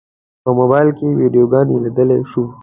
په موبایل کې ویډیوګانې لیدلی شو.